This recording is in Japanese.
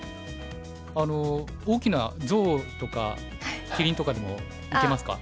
あの大きなゾウとかキリンとかでもいけますか？